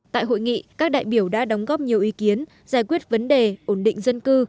tại hội nghị các đại biểu đã đóng góp nhiều ý kiến giải quyết vấn đề ổn định dân cư